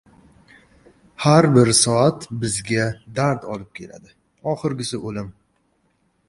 • Har bir soat bizga dard olib keladi, oxirgisi — o‘lim.